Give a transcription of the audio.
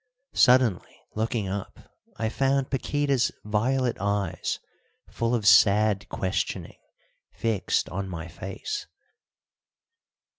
Suddenly looking up, I found Paquíta's violet eyes, full of sad questioning, fixed on my face.